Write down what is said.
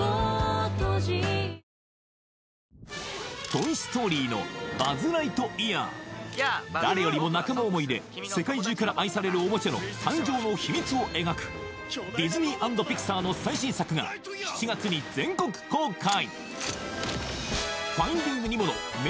「トイ・ストーリー」のバズ・ライトイヤー誰よりも仲間思いで世界中から愛されるおもちゃの誕生の秘密を描くディズニー＆ピクサーの最新作が７月に全国公開！